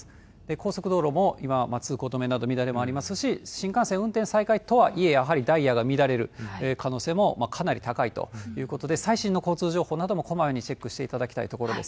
高速道路も今、通行止めなど、乱れもありますし、新幹線、運転再開とはいえ、やはりダイヤが乱れる可能性もかなり高いということで、最新の交通情報などもこまめにチェックしていただきたいところで